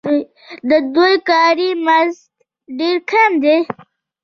د دوی کاري مزد ډېر کم دی